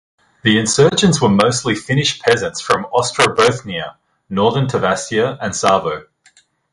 The insurgents were mostly Finnish peasants from Ostrobothnia, Northern Tavastia and Savo.